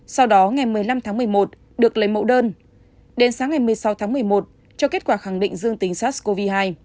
sau đó ngày một mươi năm tháng một mươi một được lấy mẫu đơn đến sáng ngày một mươi sáu tháng một mươi một cho kết quả khẳng định dương tính sars cov hai